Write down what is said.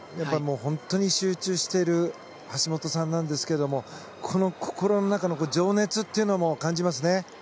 本当に集中している橋本さんなんですけれどもこの心の中の情熱というのも感じますね。